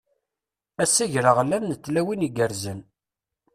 Ass agreɣlan n tlawin igerrzen!